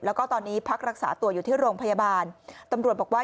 แล้วก็ตอนนี้พักรักษาตัวอยู่ที่โรงพยาบาลตำรวจบอกว่า